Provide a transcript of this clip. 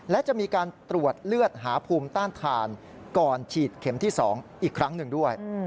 และจะมีการตรวจเลือดหาภูมิต้านทานก่อนฉีดเข็มที่๒อีกครั้งหนึ่งด้วย